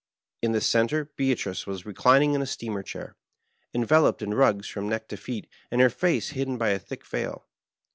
In the center Beatrice was reclining in a steamer chair, enveloped in rugs from neck to feet, and her face hidden by a thick veil.